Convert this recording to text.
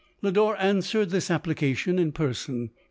Lodore answered this application in person.